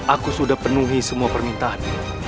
aku sudah penuhi semua permintaanmu